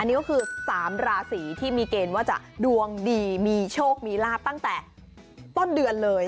นี่ก็คือ๓ราศีที่มีเกณฑ์ว่าจะดวงดีมีโชคมีลาบตั้งแต่ต้นเดือนเลย